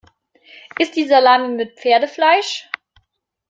Ist die Salami mit Pferdefleisch?